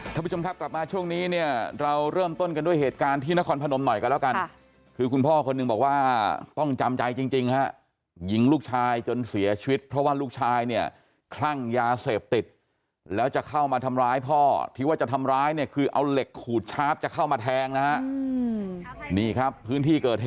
ท่านผู้ชมครับกลับมาช่วงนี้เนี่ยเราเริ่มต้นกันด้วยเหตุการณ์ที่นครพนมหน่อยกันแล้วกันคือคุณพ่อคนหนึ่งบอกว่าต้องจำใจจริงฮะยิงลูกชายจนเสียชีวิตเพราะว่าลูกชายเนี่ยคลั่งยาเสพติดแล้วจะเข้ามาทำร้ายพ่อที่ว่าจะทำร้ายเนี่ยคือเอาเหล็กขูดชาร์ฟจะเข้ามาแทงนะฮะนี่ครับพื้นที่เกิดเหตุ